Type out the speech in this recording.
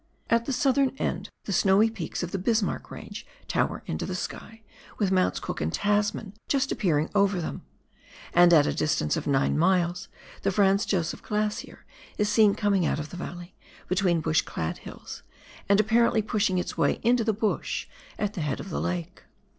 At the southern end the snowy peaks of the Bismarck Range tower into the sky, with Mounts Cook and Tasman just appearing over them ; and, at a distance of nine miles, the Franz Josef Glacier is seen coming out of the valley, between bu?h clad hills, and apparently pushing its way into the bush at the head of the lake.